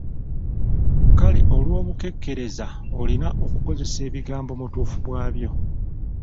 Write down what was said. Kale olw'obukekkereza olina okukozesa ebigambo mu butuufu bwabyo.